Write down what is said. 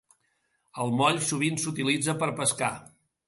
El moll sovint s'utilitza per pescar.